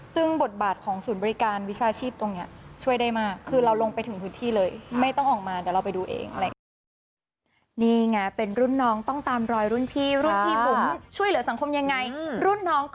ซึ่งบทบาทของศูนย์บริการวิชาชีพตรงนี้ช่วยได้มากคือเราลงไปถึงพื้นที่เลยไม่ต้องออกมาเดี๋ยวเราไปดูเองอะไรอย่างนี้